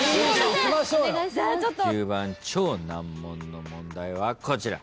９番超難問の問題はこちら。